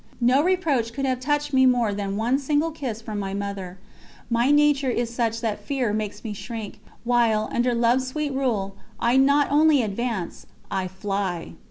No reproach could have touched me more than one single kiss from my Mother. My nature is such that fear makes me shrink, while, under love's sweet rule, I not only advance I fly.